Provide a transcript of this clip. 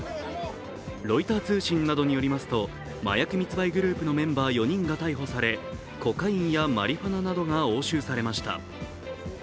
ロイター通信などによりますと、麻薬密売グループのメンバー４人が逮捕され、コカインやマリファナなどが押収されました。